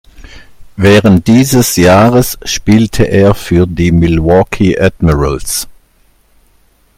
Während dieses Jahres spielte er für die Milwaukee Admirals.